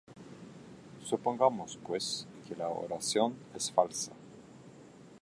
Supongamos, pues, que la oración es falsa.